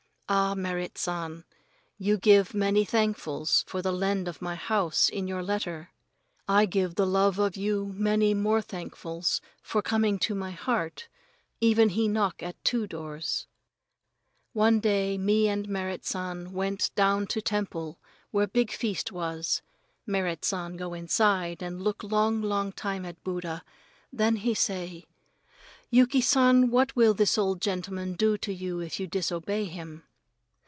Ah, Merrit San, you give many thankfuls for the lend of my house in your letter. I give the love of you many more thankfuls for coming to my heart, even he knock at two doors. One day me and Merrit San went down to temple where big feast was. Merrit San go inside and look long long time at Buddha, then he say: "Yuki San, what will this old gentleman do to you if you disobey him?"